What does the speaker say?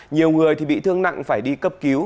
nhiều người bị thương nặng phải đi cấp cứu